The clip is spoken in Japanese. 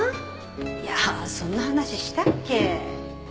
いやそんな話したっけ？